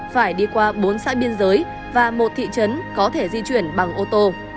phải đi qua bốn xã biên giới và một thị trấn có thể di chuyển bằng ô tô